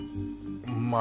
まあ